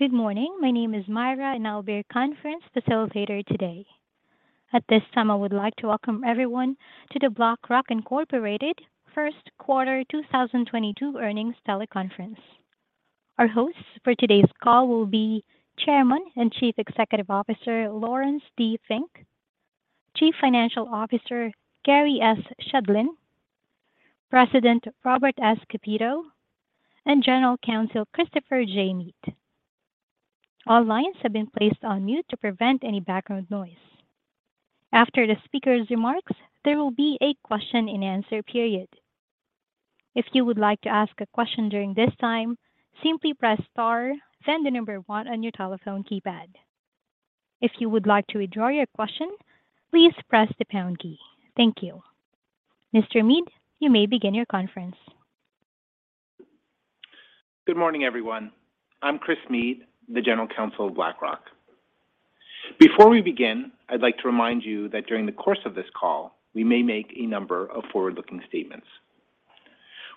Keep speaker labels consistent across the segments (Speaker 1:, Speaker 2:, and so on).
Speaker 1: Good morning. My name is Myra, and I'll be your conference facilitator today. At this time, I would like to welcome everyone to the BlackRock, Inc. First Quarter 2022 Earnings Teleconference. Our hosts for today's call will be Chairman and Chief Executive Officer Laurence D. Fink, Chief Financial Officer Gary S. Shedlin, President Robert S. Kapito, and General Counsel Christopher J. Meade. All lines have been placed on mute to prevent any background noise. After the speaker's remarks, there will be a question and answer period. If you would like to ask a question during this time, simply press star, then one on your telephone keypad. If you would like to withdraw your question, please press the pound key. Thank you. Mr. Meade, you may begin your conference.
Speaker 2: Good morning, everyone. I'm Chris Meade, the General Counsel of BlackRock. Before we begin, I'd like to remind you that during the course of this call, we may make a number of forward-looking statements.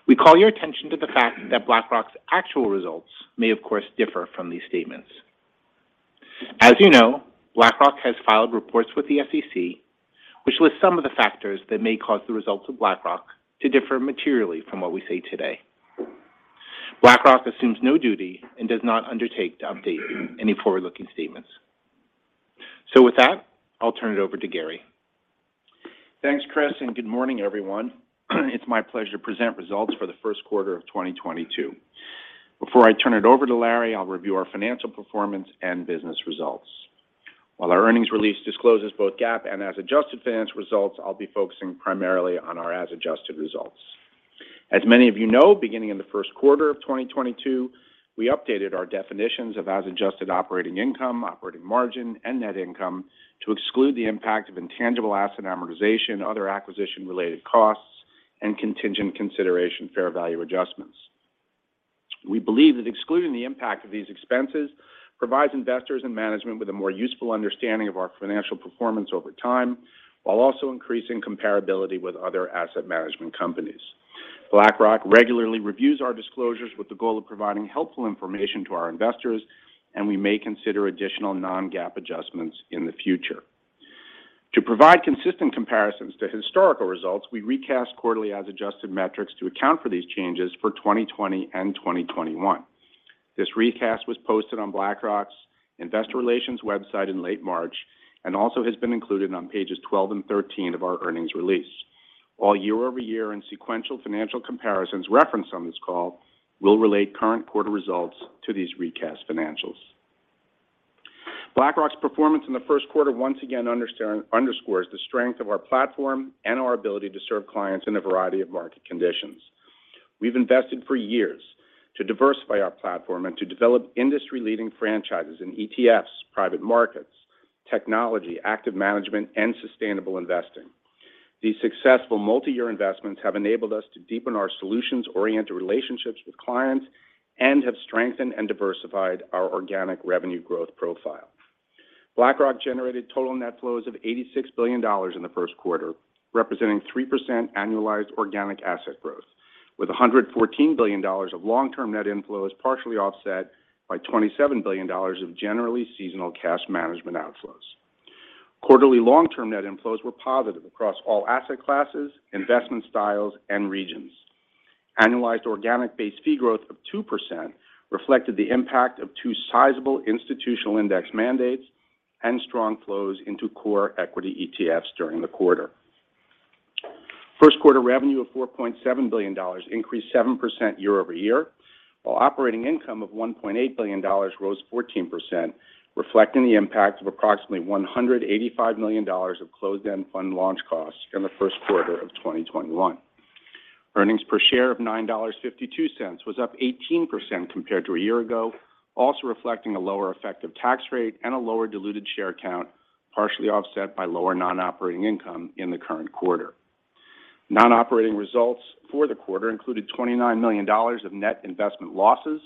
Speaker 2: We call your attention to the fact that BlackRock's actual results may, of course, differ from these statements. As you know, BlackRock has filed reports with the SEC, which list some of the factors that may cause the results of BlackRock to differ materially from what we say today. BlackRock assumes no duty and does not undertake to update any forward-looking statements. With that, I'll turn it over to Gary.
Speaker 3: Thanks, Chris, and good morning, everyone. It's my pleasure to present results for the first quarter of 2022. Before I turn it over to Larry, I'll review our financial performance and business results. While our earnings release discloses both GAAP and as adjusted financial results, I'll be focusing primarily on our as adjusted results. As many of you know, beginning in the first quarter of 2022, we updated our definitions of as adjusted operating income, operating margin, and net income to exclude the impact of intangible asset amortization, other acquisition-related costs, and contingent consideration fair value adjustments. We believe that excluding the impact of these expenses provides investors and management with a more useful understanding of our financial performance over time, while also increasing comparability with other asset management companies. BlackRock regularly reviews our disclosures with the goal of providing helpful information to our investors, and we may consider additional non-GAAP adjustments in the future. To provide consistent comparisons to historical results, we recast quarterly as adjusted metrics to account for these changes for 2020 and 2021. This recast was posted on BlackRock's investor relations website in late March and also has been included on pages 12 and 13 of our earnings release. All year-over-year and sequential financial comparisons referenced on this call will relate current quarter results to these recast financials. BlackRock's performance in the first quarter once again underscores the strength of our platform and our ability to serve clients in a variety of market conditions. We've invested for years to diversify our platform and to develop industry-leading franchises in ETFs, private markets, technology, active management, and sustainable investing. These successful multi-year investments have enabled us to deepen our solutions-oriented relationships with clients and have strengthened and diversified our organic revenue growth profile. BlackRock generated total net flows of $86 billion in the first quarter, representing 3% annualized organic asset growth, with $114 billion of long-term net inflows, partially offset by $27 billion of generally seasonal cash management outflows. Quarterly long-term net inflows were positive across all asset classes, investment styles, and regions. Annualized organic base fee growth of 2% reflected the impact of two sizable institutional index mandates and strong flows into core equity ETFs during the quarter. First quarter revenue of $4.7 billion increased 7% year-over-year, while operating income of $1.8 billion rose 14%, reflecting the impact of approximately $185 million of closed-end fund launch costs in the first quarter of 2021. Earnings per share of $9.52 was up 18% compared to a year ago, also reflecting a lower effective tax rate and a lower diluted share count, partially offset by lower non-operating income in the current quarter. Non-operating results for the quarter included $29 million of net investment losses,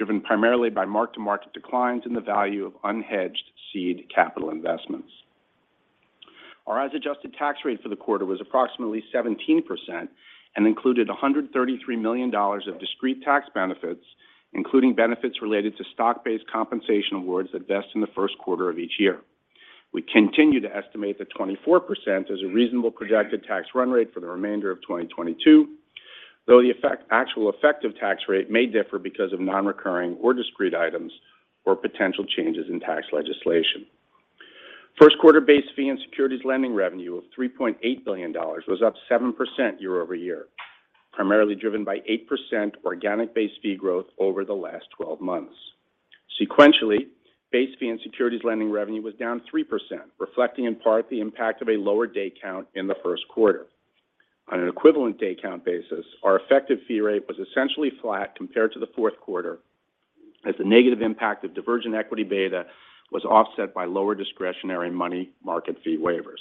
Speaker 3: driven primarily by mark-to-market declines in the value of unhedged seed capital investments. Our as adjusted tax rate for the quarter was approximately 17% and included $133 million of discrete tax benefits, including benefits related to stock-based compensation awards that vest in the first quarter of each year. We continue to estimate that 24% is a reasonable projected tax run rate for the remainder of 2022, though the actual effective tax rate may differ because of non-recurring or discrete items or potential changes in tax legislation. First quarter base fee and securities lending revenue of $3.8 billion was up 7% year-over-year, primarily driven by 8% organic base fee growth over the last 12 months. Sequentially, base fee and securities lending revenue was down 3%, reflecting in part the impact of a lower day count in the first quarter. On an equivalent day count basis, our effective fee rate was essentially flat compared to the fourth quarter as the negative impact of divergent equity beta was offset by lower discretionary money market fee waivers.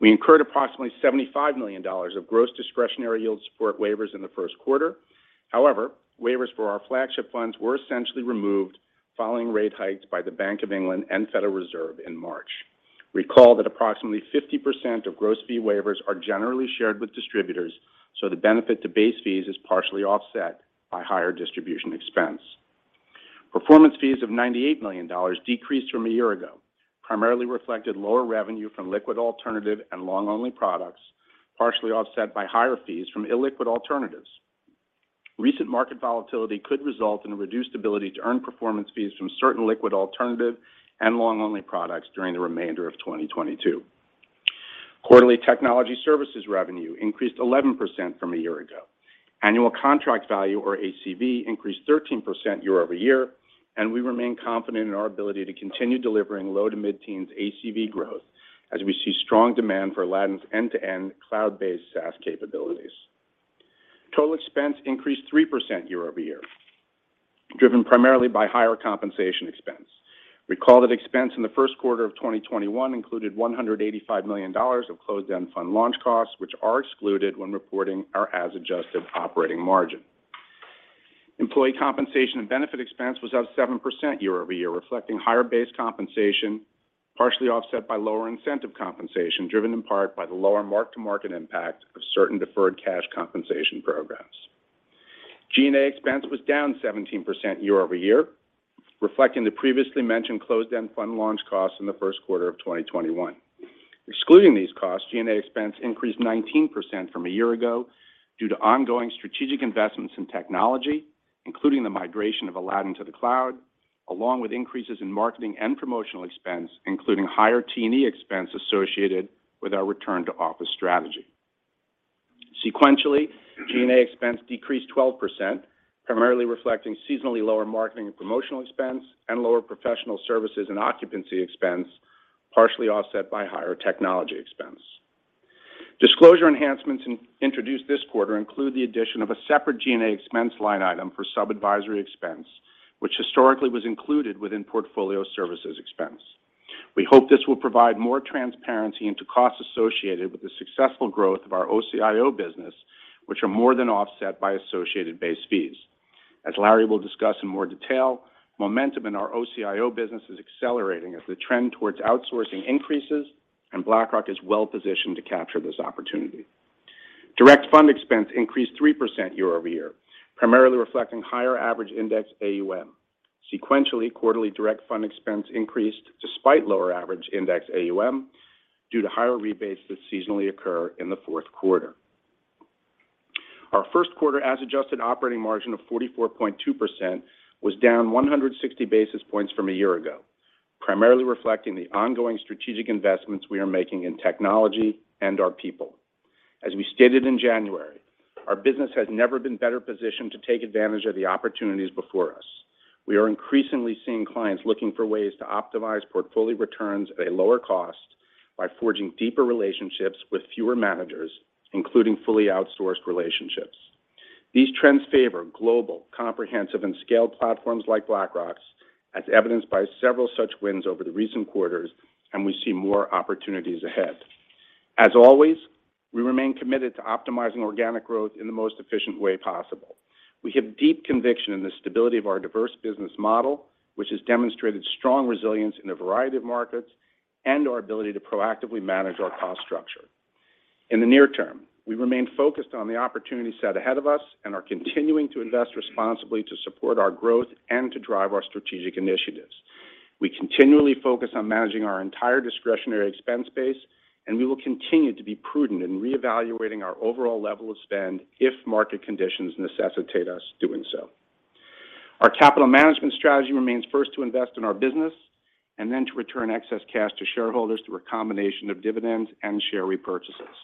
Speaker 3: We incurred approximately $75 million of gross discretionary yield support waivers in the first quarter. However, waivers for our flagship funds were essentially removed following rate hikes by the Bank of England and Federal Reserve in March. Recall that approximately 50% of gross fee waivers are generally shared with distributors, so the benefit to base fees is partially offset by higher distribution expense. Performance fees of $98 million decreased from a year ago, primarily reflected lower revenue from liquid alternative and long-only products, partially offset by higher fees from illiquid alternatives. Recent market volatility could result in a reduced ability to earn performance fees from certain liquid alternative and long-only products during the remainder of 2022. Quarterly technology services revenue increased 11% from a year ago. Annual contract value, or ACV, increased 13% year-over-year, and we remain confident in our ability to continue delivering low- to mid-teens ACV growth as we see strong demand for Aladdin's end-to-end cloud-based SaaS capabilities. Total expense increased 3% year-over-year, driven primarily by higher compensation expense. Recall that expense in the first quarter of 2021 included $185 million of closed-end fund launch costs, which are excluded when reporting our as-adjusted operating margin. Employee compensation and benefit expense was up 7% year-over-year, reflecting higher base compensation, partially offset by lower incentive compensation, driven in part by the lower mark-to-market impact of certain deferred cash compensation programs. G&A expense was down 17% year-over-year, reflecting the previously mentioned closed-end fund launch costs in the first quarter of 2021. Excluding these costs, G&A expense increased 19% from a year ago due to ongoing strategic investments in technology, including the migration of Aladdin to the cloud, along with increases in marketing and promotional expense, including higher T&E expense associated with our return to office strategy. Sequentially, G&A expense decreased 12%, primarily reflecting seasonally lower marketing and promotional expense and lower professional services and occupancy expense, partially offset by higher technology expense. Disclosure enhancements introduced this quarter include the addition of a separate G&A expense line item for sub-advisory expense, which historically was included within portfolio services expense. We hope this will provide more transparency into costs associated with the successful growth of our OCIO business, which are more than offset by associated base fees. As Larry will discuss in more detail, momentum in our OCIO business is accelerating as the trend towards outsourcing increases, and BlackRock is well positioned to capture this opportunity. Direct fund expense increased 3% year-over-year, primarily reflecting higher average index AUM. Sequentially, quarterly direct fund expense increased despite lower average index AUM due to higher rebates that seasonally occur in the fourth quarter. Our first quarter as-adjusted operating margin of 44.2% was down 160 basis points from a year ago, primarily reflecting the ongoing strategic investments we are making in technology and our people. As we stated in January, our business has never been better positioned to take advantage of the opportunities before us. We are increasingly seeing clients looking for ways to optimize portfolio returns at a lower cost by forging deeper relationships with fewer managers, including fully outsourced relationships. These trends favor global, comprehensive, and scaled platforms like BlackRock's, as evidenced by several such wins over the recent quarters, and we see more opportunities ahead. As always, we remain committed to optimizing organic growth in the most efficient way possible. We have deep conviction in the stability of our diverse business model, which has demonstrated strong resilience in a variety of markets and our ability to proactively manage our cost structure. In the near term, we remain focused on the opportunity set ahead of us and are continuing to invest responsibly to support our growth and to drive our strategic initiatives. We continually focus on managing our entire discretionary expense base, and we will continue to be prudent in reevaluating our overall level of spend if market conditions necessitate us doing so. Our capital management strategy remains first to invest in our business, and then to return excess cash to shareholders through a combination of dividends and share repurchases.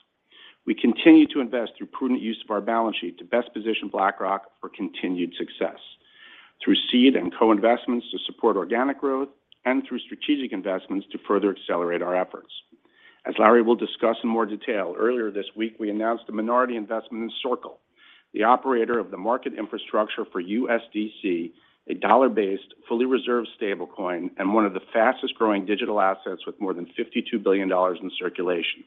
Speaker 3: We continue to invest through prudent use of our balance sheet to best position BlackRock for continued success through seed and co-investments to support organic growth and through strategic investments to further accelerate our efforts. As Larry will discuss in more detail, earlier this week, we announced a minority investment in Circle, the operator of the market infrastructure for USDC, a dollar-based, fully reserved stablecoin, and one of the fastest-growing digital assets with more than $52 billion in circulation.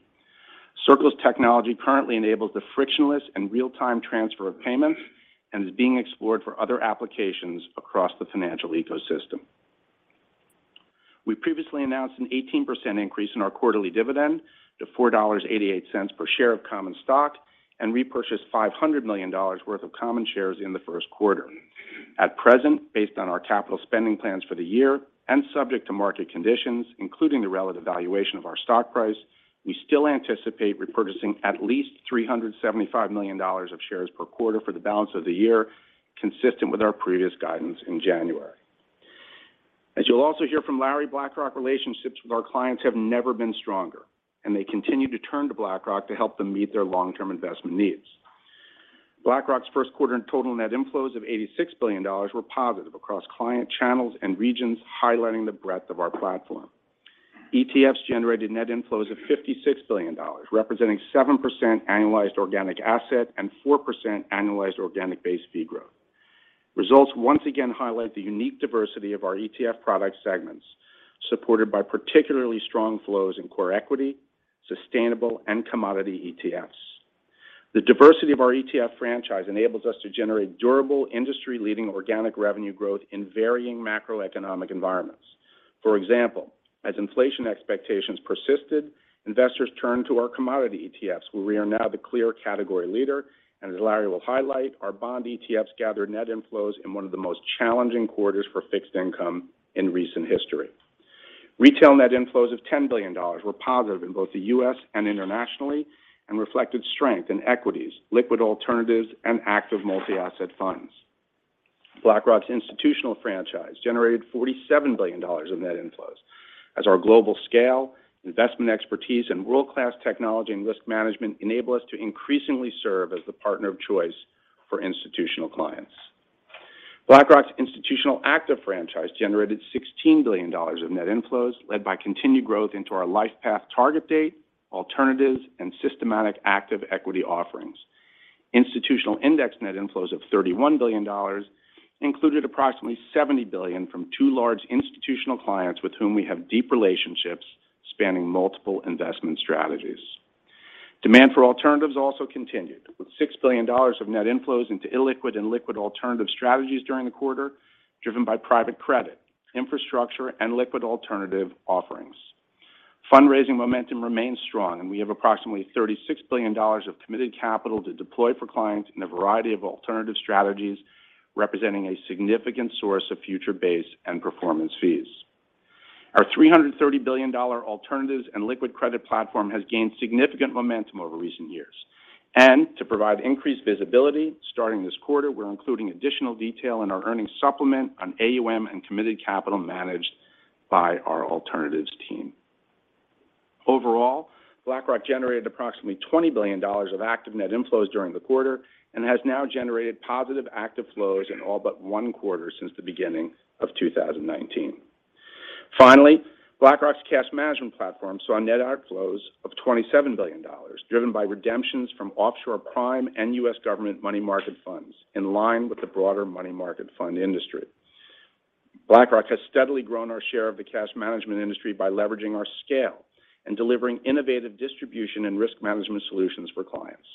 Speaker 3: Circle's technology currently enables the frictionless and real-time transfer of payments and is being explored for other applications across the financial ecosystem. We previously announced an 18% increase in our quarterly dividend to $4.88 per share of common stock and repurchased $500 million worth of common shares in the first quarter. At present, based on our capital spending plans for the year and subject to market conditions, including the relative valuation of our stock price, we still anticipate repurchasing at least $375 million of shares per quarter for the balance of the year, consistent with our previous guidance in January. As you'll also hear from Larry, BlackRock relationships with our clients have never been stronger, and they continue to turn to BlackRock to help them meet their long-term investment needs. BlackRock's first quarter total net inflows of $86 billion were positive across client channels and regions, highlighting the breadth of our platform. ETFs generated net inflows of $56 billion, representing 7% annualized organic asset growth and 4% annualized organic base fee growth. Results once again highlight the unique diversity of our ETF product segments, supported by particularly strong flows in core equity, sustainable, and commodity ETFs. The diversity of our ETF franchise enables us to generate durable, industry-leading organic revenue growth in varying macroeconomic environments. For example, as inflation expectations persisted, investors turned to our commodity ETFs, where we are now the clear category leader. As Larry will highlight, our bond ETFs gathered net inflows in one of the most challenging quarters for fixed income in recent history. Retail net inflows of $10 billion were positive in both the U.S. and internationally, and reflected strength in equities, liquid alternatives, and active multi-asset funds. BlackRock's institutional franchise generated $47 billion of net inflows as our global scale, investment expertise and world-class technology and risk management enable us to increasingly serve as the partner of choice for institutional clients. BlackRock's institutional active franchise generated $16 billion of net inflows, led by continued growth into our LifePath target-date, alternatives, and systematic active equity offerings. Institutional index net inflows of $31 billion included approximately $70 billion from two large institutional clients with whom we have deep relationships spanning multiple investment strategies. Demand for alternatives also continued, with $6 billion of net inflows into illiquid and liquid alternative strategies during the quarter, driven by private credit, infrastructure, and liquid alternative offerings. Fundraising momentum remains strong, and we have approximately $36 billion of committed capital to deploy for clients in a variety of alternative strategies, representing a significant source of future base and performance fees. Our $330 billion alternatives and liquid credit platform has gained significant momentum over recent years. To provide increased visibility, starting this quarter, we're including additional detail in our earnings supplement on AUM and committed capital managed by our alternatives team. Overall, BlackRock generated approximately $20 billion of active net inflows during the quarter and has now generated positive active flows in all but one quarter since the beginning of 2019. Finally, BlackRock's cash management platform saw net outflows of $27 billion, driven by redemptions from offshore prime and U.S. government money market funds, in line with the broader money market fund industry. BlackRock has steadily grown our share of the cash management industry by leveraging our scale and delivering innovative distribution and risk management solutions for clients.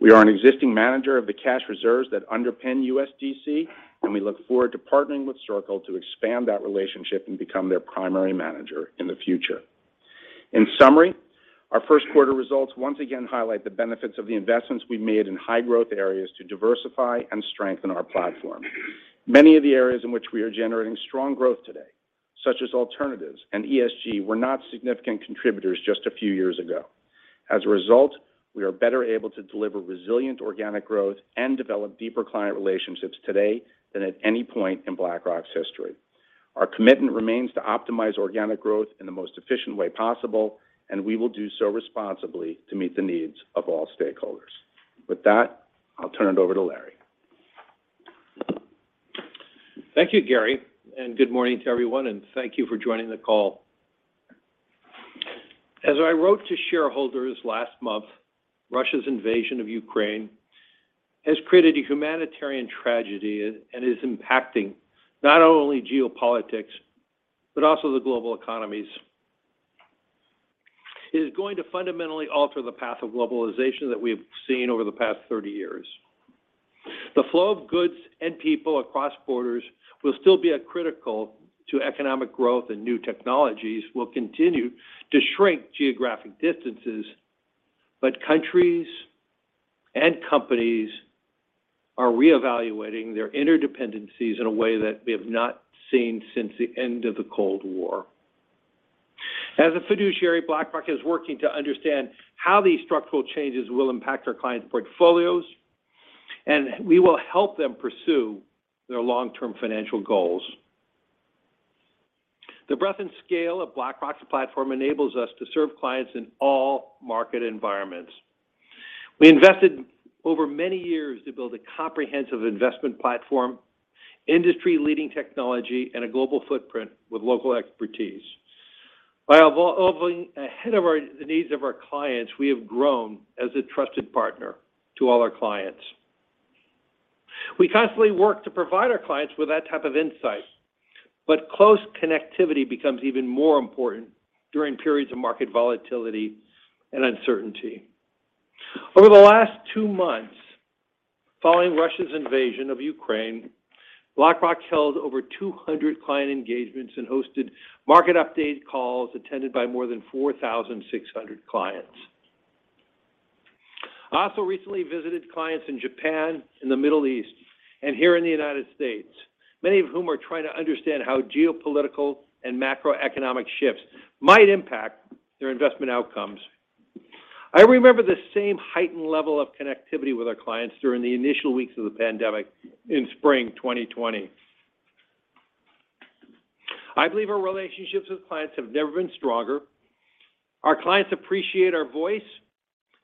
Speaker 3: We are an existing manager of the cash reserves that underpin USDC, and we look forward to partnering with Circle to expand that relationship and become their primary manager in the future. In summary, our first quarter results once again highlight the benefits of the investments we've made in high-growth areas to diversify and strengthen our platform. Many of the areas in which we are generating strong growth today, such as alternatives and ESG, were not significant contributors just a few years ago. As a result, we are better able to deliver resilient organic growth and develop deeper client relationships today than at any point in BlackRock's history. Our commitment remains to optimize organic growth in the most efficient way possible, and we will do so responsibly to meet the needs of all stakeholders. With that, I'll turn it over to Larry.
Speaker 4: Thank you, Gary, and good morning to everyone, and thank you for joining the call. As I wrote to shareholders last month, Russia's invasion of Ukraine has created a humanitarian tragedy and is impacting not only geopolitics, but also the global economies. It is going to fundamentally alter the path of globalization that we have seen over the past 30 years. The flow of goods and people across borders will still be critical to economic growth, and new technologies will continue to shrink geographic distances. Countries and companies are reevaluating their interdependencies in a way that we have not seen since the end of the Cold War. As a fiduciary, BlackRock is working to understand how these structural changes will impact our clients' portfolios, and we will help them pursue their long-term financial goals. The breadth and scale of BlackRock's platform enables us to serve clients in all market environments. We invested over many years to build a comprehensive investment platform, industry-leading technology, and a global footprint with local expertise. By evolving ahead of the needs of our clients, we have grown as a trusted partner to all our clients. We constantly work to provide our clients with that type of insight, but close connectivity becomes even more important during periods of market volatility and uncertainty. Over the last two months, following Russia's invasion of Ukraine, BlackRock held over 200 client engagements and hosted market update calls attended by more than 4,600 clients. I also recently visited clients in Japan, in the Middle East, and here in the United States, many of whom are trying to understand how geopolitical and macroeconomic shifts might impact their investment outcomes. I remember the same heightened level of connectivity with our clients during the initial weeks of the pandemic in spring 2020. I believe our relationships with clients have never been stronger. Our clients appreciate our voice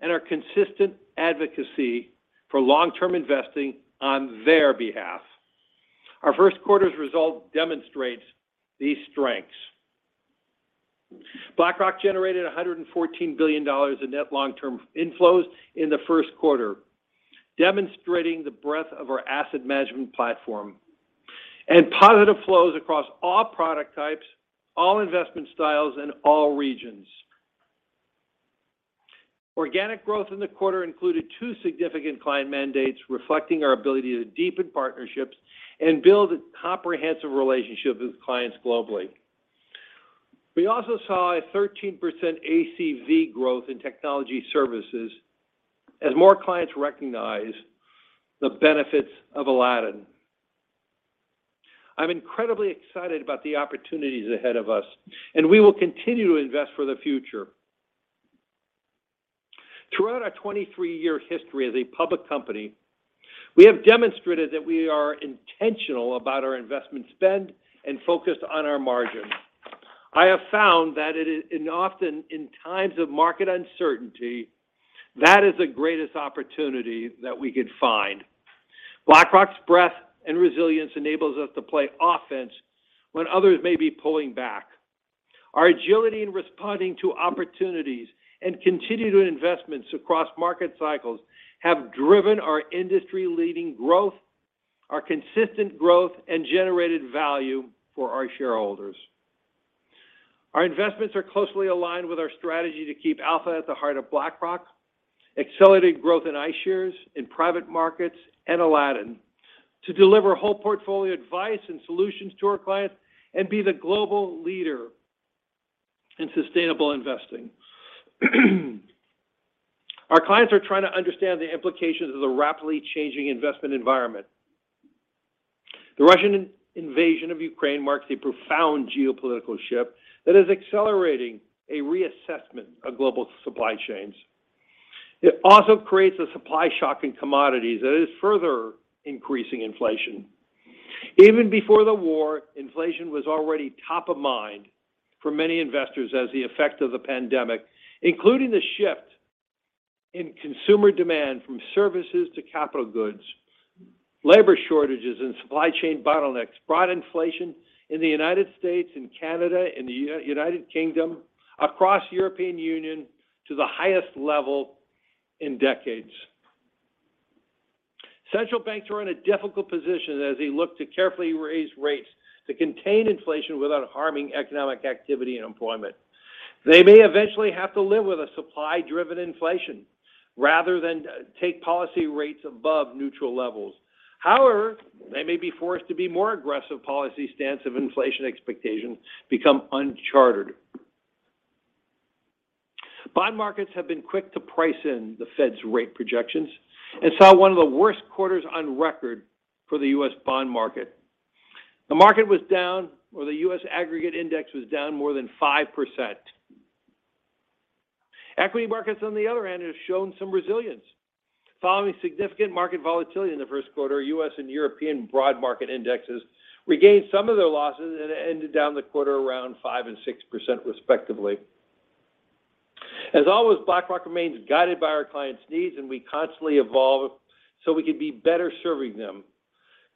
Speaker 4: and our consistent advocacy for long-term investing on their behalf. Our first quarter's result demonstrates these strengths. BlackRock generated $114 billion in net long-term inflows in the first quarter, demonstrating the breadth of our asset management platform. Positive flows across all product types, all investment styles, and all regions. Organic growth in the quarter included two significant client mandates reflecting our ability to deepen partnerships and build a comprehensive relationship with clients globally. We also saw a 13% ACV growth in technology services as more clients recognize the benefits of Aladdin. I'm incredibly excited about the opportunities ahead of us, and we will continue to invest for the future. Throughout our 23-year history as a public company, we have demonstrated that we are intentional about our investment spend and focused on our margins. I have found that it is, and often in times of market uncertainty, that is the greatest opportunity that we could find. BlackRock's breadth and resilience enables us to play offense when others may be pulling back. Our agility in responding to opportunities and continued investments across market cycles have driven our industry-leading growth, our consistent growth, and generated value for our shareholders. Our investments are closely aligned with our strategy to keep alpha at the heart of BlackRock, accelerated growth in iShares, in Private Markets, and Aladdin to deliver whole portfolio advice and solutions to our clients and be the global leader in sustainable investing. Our clients are trying to understand the implications of the rapidly changing investment environment. The Russian invasion of Ukraine marks a profound geopolitical shift that is accelerating a reassessment of global supply chains. It also creates a supply shock in commodities that is further increasing inflation. Even before the war, inflation was already top of mind for many investors as the effect of the pandemic, including the shift in consumer demand from services to capital goods, labor shortages and supply chain bottlenecks brought inflation in the United States and Canada and the United Kingdom across the European Union to the highest level in decades. Central banks are in a difficult position as they look to carefully raise rates to contain inflation without harming economic activity and employment. They may eventually have to live with a supply-driven inflation rather than take policy rates above neutral levels. However, they may be forced to be more aggressive policy stance if inflation expectations become unanchored. Bond markets have been quick to price in the Fed's rate projections and saw one of the worst quarters on record for the U.S. bond market. The market was down, or the U.S. aggregate index was down more than 5%. Equity markets, on the other hand, have shown some resilience. Following significant market volatility in the first quarter, U.S. and European broad market indexes regained some of their losses and ended down the quarter around 5% and 6% respectively. As always, BlackRock remains guided by our clients' needs, and we constantly evolve so we can be better serving them.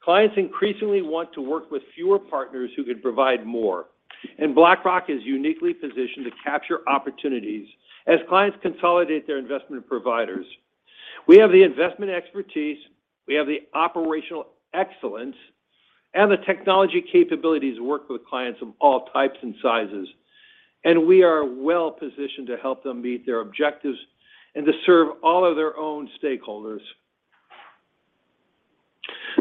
Speaker 4: Clients increasingly want to work with fewer partners who can provide more, and BlackRock is uniquely positioned to capture opportunities as clients consolidate their investment providers. We have the investment expertise, we have the operational excellence, and the technology capabilities to work with clients of all types and sizes, and we are well-positioned to help them meet their objectives and to serve all of their own stakeholders.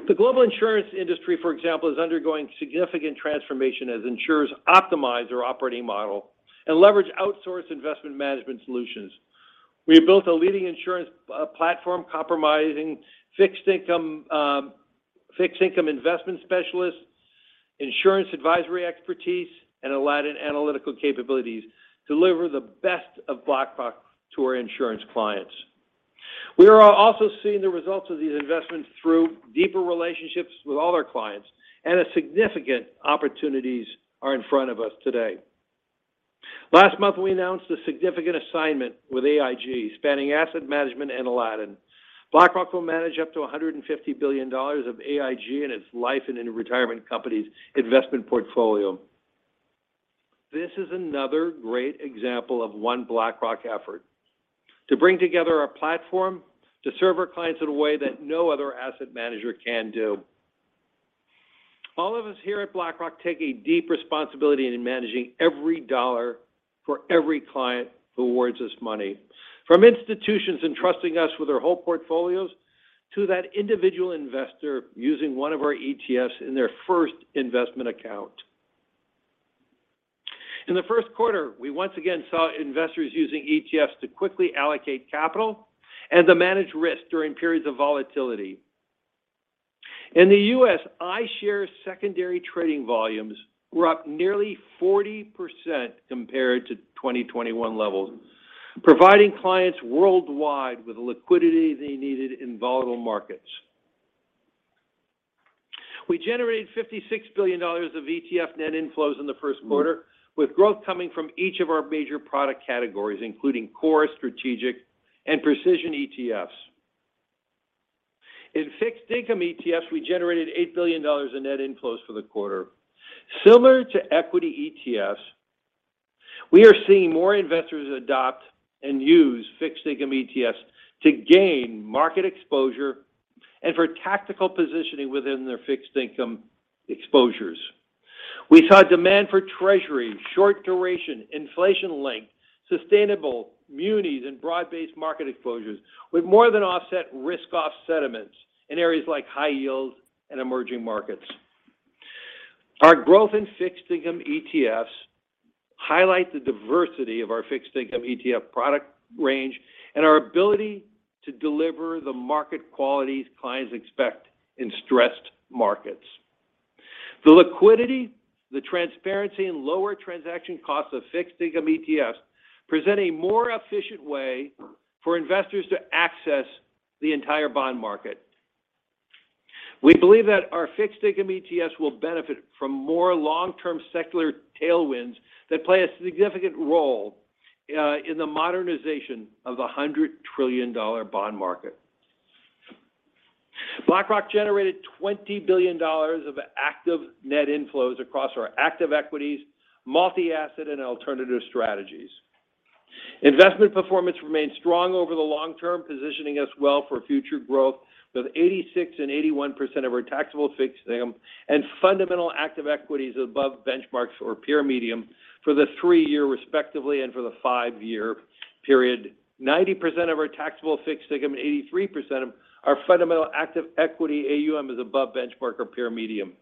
Speaker 4: The global insurance industry, for example, is undergoing significant transformation as insurers optimize their operating model and leverage outsourced investment management solutions. We have built a leading insurance platform comprising fixed income investment specialists, insurance advisory expertise, and Aladdin analytical capabilities deliver the best of BlackRock to our insurance clients. We are also seeing the results of these investments through deeper relationships with all our clients and as significant opportunities are in front of us today. Last month, we announced a significant assignment with AIG spanning asset management and Aladdin. BlackRock will manage up to $150 billion of AIG and its life and annuity and retirement companies' investment portfolio. This is another great example of one BlackRock effort to bring together our platform to serve our clients in a way that no other asset manager can do. All of us here at BlackRock take a deep responsibility in managing every dollar for every client who awards us money, from institutions entrusting us with their whole portfolios to that individual investor using one of our ETFs in their first investment account. In the first quarter, we once again saw investors using ETFs to quickly allocate capital and to manage risk during periods of volatility. In the U.S., iShares secondary trading volumes were up nearly 40% compared to 2021 levels, providing clients worldwide with the liquidity they needed in volatile markets. We generated $56 billion of ETF net inflows in the first quarter, with growth coming from each of our major product categories, including core, strategic, and precision ETFs. In fixed income ETFs, we generated $8 billion in net inflows for the quarter. Similar to equity ETFs, we are seeing more investors adopt and use fixed income ETFs to gain market exposure and for tactical positioning within their fixed income exposures. We saw demand for Treasury, short duration, inflation-linked, sustainable munis, and broad-based market exposures with more than offset risk-off sentiments in areas like high yield and emerging markets. Our growth in fixed income ETFs highlight the diversity of our fixed income ETF product range and our ability to deliver the market qualities clients expect in stressed markets. The liquidity, the transparency, and lower transaction costs of fixed income ETFs present a more efficient way for investors to access the entire bond market. We believe that our fixed income ETFs will benefit from more long-term secular tailwinds that play a significant role in the modernization of the $100 trillion bond market. BlackRock generated $20 billion of active net inflows across our active equities, multi-asset, and alternative strategies. Investment performance remained strong over the long term, positioning us well for future growth, with 86% and 81% of our taxable fixed income and fundamental active equities above benchmarks or peer median for the three-year period, respectively, and for the five-year period. 90% of our taxable fixed income and 83% of our fundamental active equity AUM is above benchmark or peer median.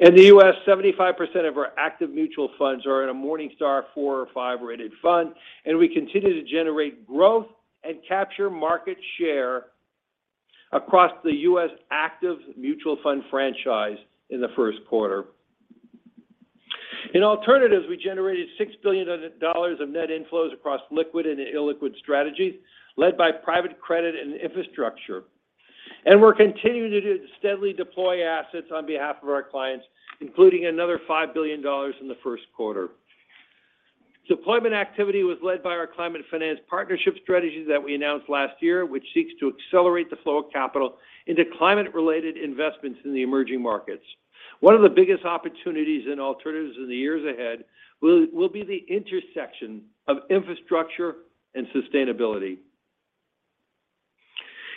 Speaker 4: In the U.S., 75% of our active mutual funds are in a Morningstar four or five rated fund, and we continue to generate growth and capture market share across the U.S. active mutual fund franchise in the first quarter. In alternatives, we generated $6 billion of net inflows across liquid and illiquid strategies led by private credit and infrastructure. We're continuing to steadily deploy assets on behalf of our clients, including another $5 billion in the first quarter. Deployment activity was led by our Climate Finance Partnership strategy that we announced last year, which seeks to accelerate the flow of capital into climate-related investments in the emerging markets. One of the biggest opportunities in alternatives in the years ahead will be the intersection of infrastructure and sustainability.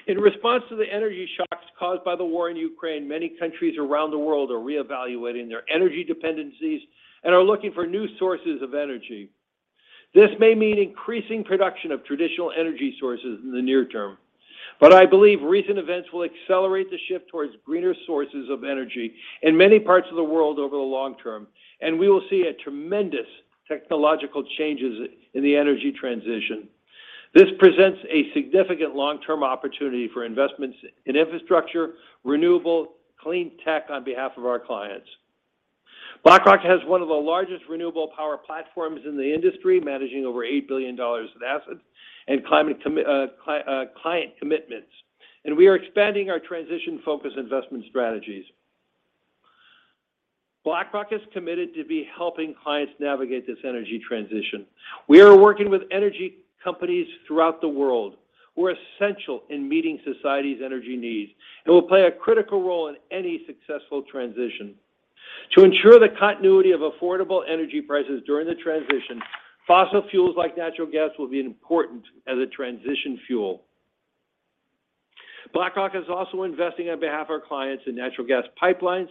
Speaker 4: In response to the energy shocks caused by the war in Ukraine, many countries around the world are reevaluating their energy dependencies and are looking for new sources of energy. This may mean increasing production of traditional energy sources in the near term. I believe recent events will accelerate the shift towards greener sources of energy in many parts of the world over the long term, and we will see a tremendous technological changes in the energy transition. This presents a significant long-term opportunity for investments in infrastructure, renewable, clean tech on behalf of our clients. BlackRock has one of the largest renewable power platforms in the industry, managing over $8 billion in assets and client commitments, and we are expanding our transition-focused investment strategies. BlackRock is committed to be helping clients navigate this energy transition. We are working with energy companies throughout the world who are essential in meeting society's energy needs and will play a critical role in any successful transition. To ensure the continuity of affordable energy prices during the transition, fossil fuels like natural gas will be important as a transition fuel. BlackRock is also investing on behalf of our clients in natural gas pipelines.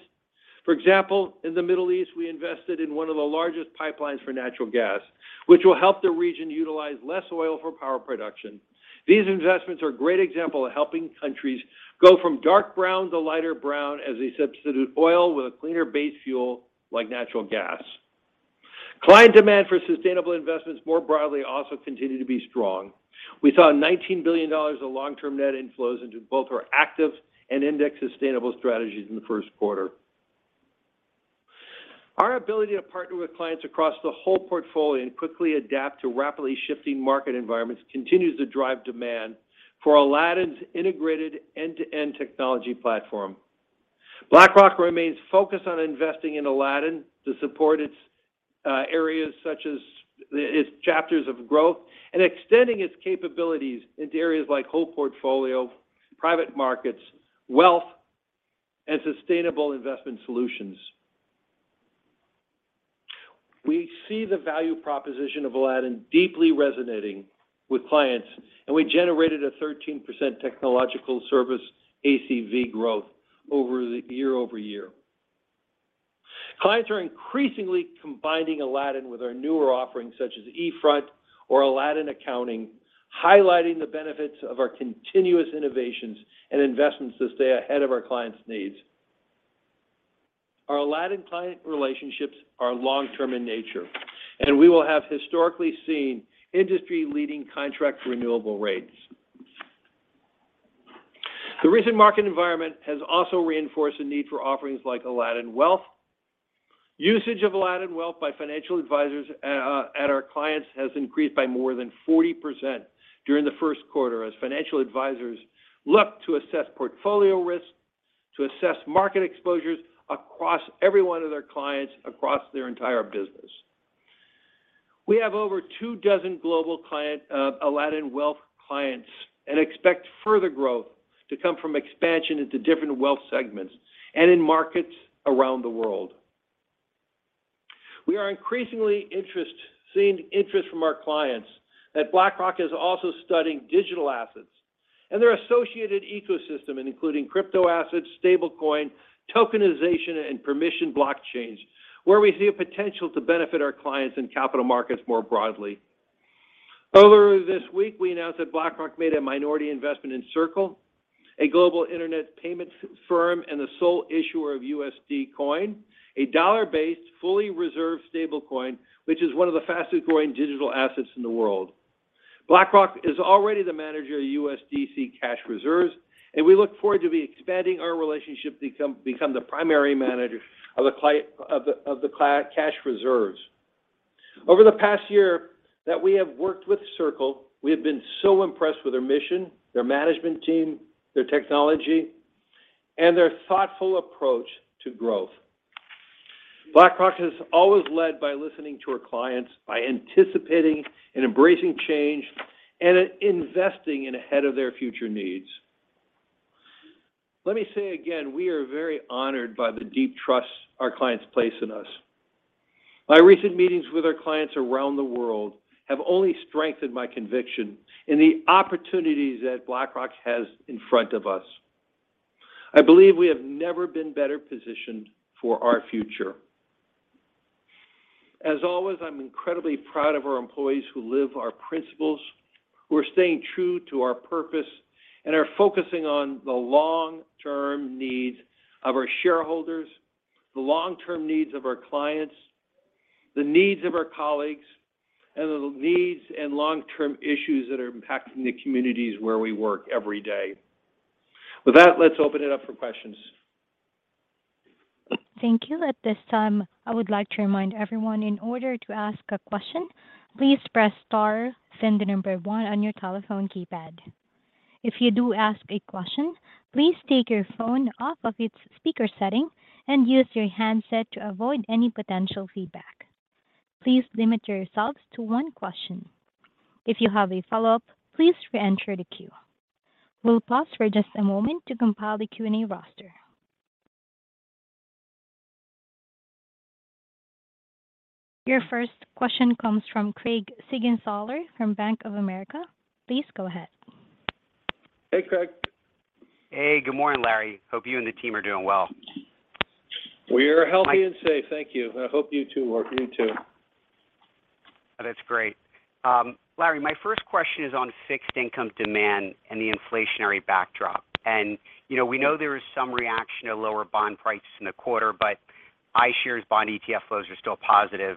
Speaker 4: For example, in the Middle East, we invested in one of the largest pipelines for natural gas, which will help the region utilize less oil for power production. These investments are a great example of helping countries go from dark brown to lighter brown as they substitute oil with a cleaner base fuel like natural gas. Client demand for sustainable investments more broadly also continue to be strong. We saw $19 billion of long-term net inflows into both our active and index sustainable strategies in the first quarter. Our ability to partner with clients across the whole portfolio and quickly adapt to rapidly shifting market environments continues to drive demand for Aladdin's integrated end-to-end technology platform. BlackRock remains focused on investing in Aladdin to support its areas such as its chapters of growth and extending its capabilities into areas like whole portfolio, private markets, wealth, and sustainable investment solutions. We see the value proposition of Aladdin deeply resonating with clients, and we generated 13% technological service ACV growth year-over-year. Clients are increasingly combining Aladdin with our newer offerings such as eFront or Aladdin Accounting, highlighting the benefits of our continuous innovations and investments to stay ahead of our clients' needs. Our Aladdin client relationships are long-term in nature, and we will have historically seen industry-leading contract renewal rates. The recent market environment has also reinforced the need for offerings like Aladdin Wealth. Usage of Aladdin Wealth by financial advisors at our clients has increased by more than 40% during the first quarter as financial advisors look to assess portfolio risk, to assess market exposures across every one of their clients across their entire business. We have over two dozen global Aladdin Wealth clients and expect further growth to come from expansion into different wealth segments and in markets around the world. We are increasingly seeing interest from our clients that BlackRock is also studying digital assets and their associated ecosystem, including crypto assets, stablecoin, tokenization, and permissioned blockchains, where we see a potential to benefit our clients and capital markets more broadly. Earlier this week, we announced that BlackRock made a minority investment in Circle, a global internet payment firm, and the sole issuer of USD Coin, a dollar-based, fully reserved stablecoin, which is one of the fastest growing digital assets in the world. BlackRock is already the manager of USDC cash reserves, and we look forward to be expanding our relationship, become the primary manager of the cash reserves. Over the past year that we have worked with Circle, we have been so impressed with their mission, their management team, their technology, and their thoughtful approach to growth. BlackRock has always led by listening to our clients, by anticipating and embracing change, and investing ahead of their future needs. Let me say again, we are very honored by the deep trust our clients place in us. My recent meetings with our clients around the world have only strengthened my conviction in the opportunities that BlackRock has in front of us. I believe we have never been better positioned for our future. As always, I'm incredibly proud of our employees who live our principles, who are staying true to our purpose, and are focusing on the long-term needs of our shareholders, the long-term needs of our clients, the needs of our colleagues, and the needs and long-term issues that are impacting the communities where we work every day. With that, let's open it up for questions.
Speaker 1: Thank you. At this time, I would like to remind everyone, in order to ask a question, please press star, then the number one on your telephone keypad. If you do ask a question, please take your phone off of its speaker setting and use your handset to avoid any potential feedback. Please limit yourselves to one question. If you have a follow-up, please reenter the queue. We'll pause for just a moment to compile the Q&A roster. Your first question comes from Craig Siegenthaler from Bank of America. Please go ahead.
Speaker 4: Hey, Craig.
Speaker 5: Hey, good morning, Larry. Hope you and the team are doing well.
Speaker 4: We are healthy and safe. Thank you. I hope you two are, you too.
Speaker 5: That's great. Larry, my first question is on fixed income demand and the inflationary backdrop. You know, we know there is some reaction to lower bond prices in the quarter, but iShares bond ETF flows are still positive.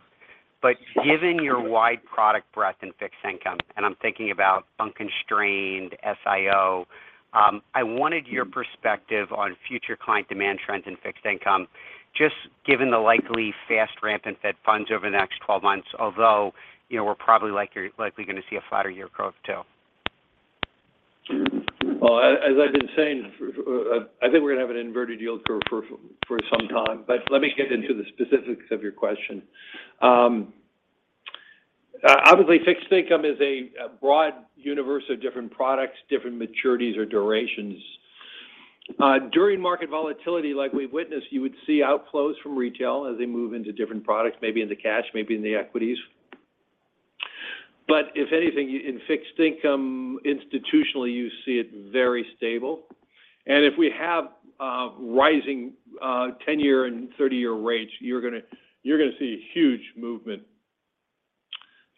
Speaker 5: Given your wide product breadth in fixed income, and I'm thinking about unconstrained SIO, I wanted your perspective on future client demand trends in fixed income, just given the likely fast ramp in Fed funds over the next 12 months, although, you know, we're probably likely gonna see a flatter year growth too.
Speaker 4: Well, as I've been saying, I think we're gonna have an inverted yield curve for some time. Let me get into the specifics of your question. Obviously, fixed income is a broad universe of different products, different maturities or durations. During market volatility like we've witnessed, you would see outflows from retail as they move into different products, maybe into cash, maybe into equities. If anything, in fixed income, institutionally, you see it very stable. If we have rising 10-year and 30-year rates, you're gonna see huge movement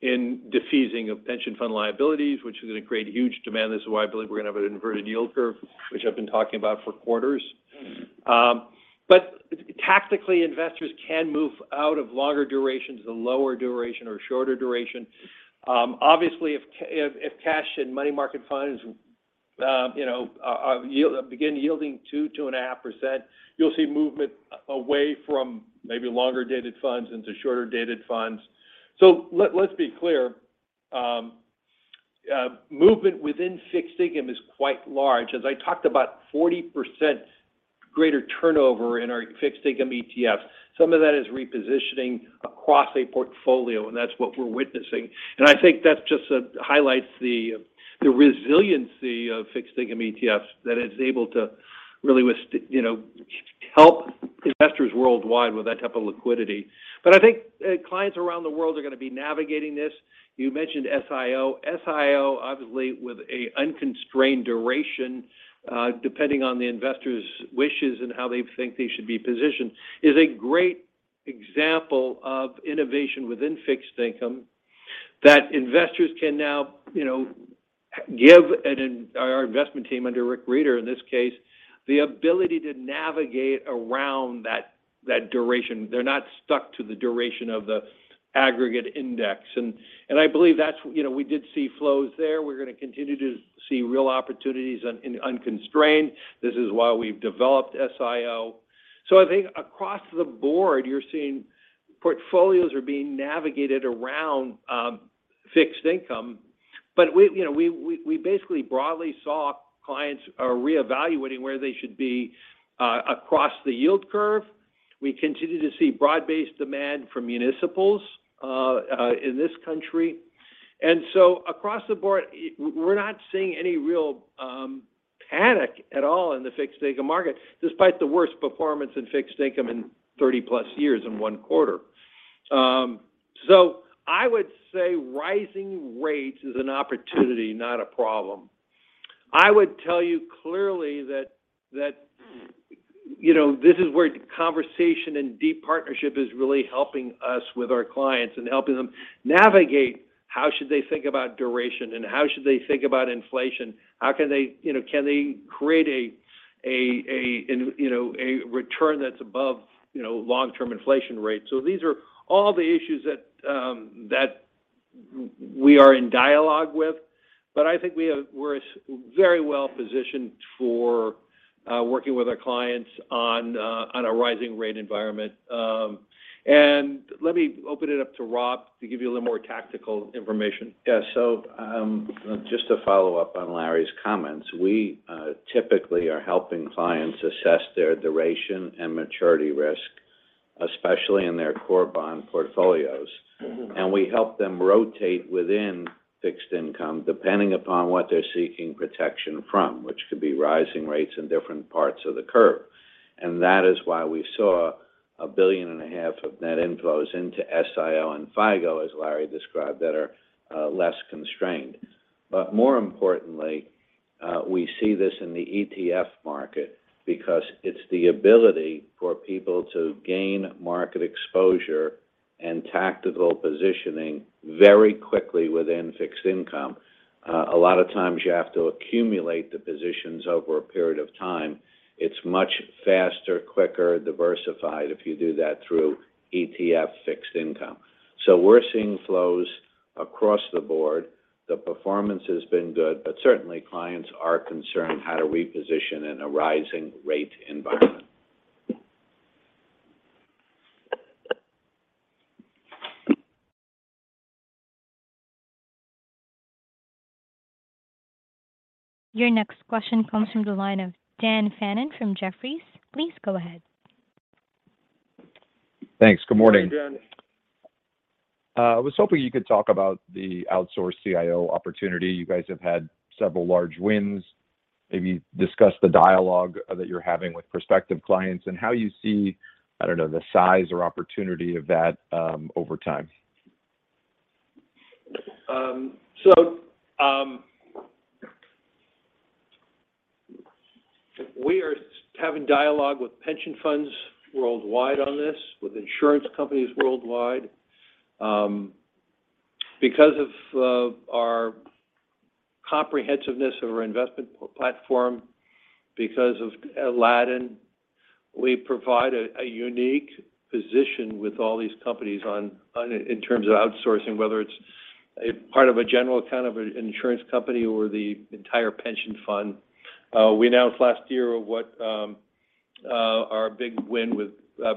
Speaker 4: in defeasance of pension fund liabilities, which is gonna create huge demand. This is why I believe we're gonna have an inverted yield curve, which I've been talking about for quarters. Tactically, investors can move out of longer durations to lower duration or shorter duration. Obviously, if cash and money market funds, you know, begin yielding 2.5%, you'll see movement away from maybe longer-dated funds into shorter-dated funds. Let's be clear, movement within fixed income is quite large. As I talked about 40% greater turnover in our fixed income ETFs. Some of that is repositioning across a portfolio, and that's what we're witnessing. I think that just highlights the resiliency of fixed income ETFs, that it's able to really, you know, help investors worldwide with that type of liquidity. I think clients around the world are gonna be navigating this. You mentioned SIO. SIO, obviously, with an unconstrained duration, depending on the investor's wishes and how they think they should be positioned, is a great example of innovation within fixed income that investors can now, you know, give our investment team under Rick Rieder, in this case, the ability to navigate around that duration. They're not stuck to the duration of the aggregate index. I believe that's, you know, we did see flows there. We're gonna continue to see real opportunities in unconstrained. This is why we've developed SIO. I think across the board, you're seeing portfolios are being navigated around fixed income. We basically broadly saw clients are reevaluating where they should be across the yield curve. We continue to see broad-based demand for municipals in this country. Across the board, we're not seeing any real panic at all in the fixed income market, despite the worst performance in fixed income in 30+ years in one quarter. I would say rising rates is an opportunity, not a problem. I would tell you clearly that you know, this is where conversation and deep partnership is really helping us with our clients and helping them navigate how should they think about duration, and how should they think about inflation? You know, can they create a return that's above you know, long-term inflation rates? These are all the issues that we are in dialogue with, but I think we're very well-positioned for working with our clients on a rising rate environment. Let me open it up to Rob to give you a little more tactical information.
Speaker 6: Just to follow up on Larry's comments, we typically are helping clients assess their duration and maturity risk, especially in their core bond portfolios.
Speaker 4: Mm-hmm.
Speaker 6: We help them rotate within fixed income, depending upon what they're seeking protection from, which could be rising rates in different parts of the curve. That is why we saw $1.5 billion of net inflows into SIO and FIGO, as Larry described, that are less constrained. More importantly, we see this in the ETF market because it's the ability for people to gain market exposure and tactical positioning very quickly within fixed income. A lot of times you have to accumulate the positions over a period of time. It's much faster, quicker, diversified if you do that through ETF fixed income. We're seeing flows across the board. The performance has been good, but certainly clients are concerned how to reposition in a rising rate environment.
Speaker 1: Your next question comes from the line of Dan Fannon from Jefferies. Please go ahead.
Speaker 7: Thanks. Good morning.
Speaker 4: Good morning, Dan.
Speaker 7: I was hoping you could talk about the outsourced CIO opportunity. You guys have had several large wins. Maybe discuss the dialogue that you're having with prospective clients and how you see, I don't know, the size or opportunity of that, over time.
Speaker 4: We are having dialogue with pension funds worldwide on this, with insurance companies worldwide. Because of our comprehensiveness of our investment platform, because of Aladdin, we provide a unique position with all these companies on in terms of outsourcing, whether it's a part of a general account of an insurance company or the entire pension fund. We announced last year our big win with